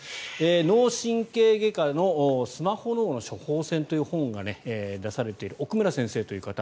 脳神経外科の「スマホ脳の処方箋」という本を出されている奥村先生という方。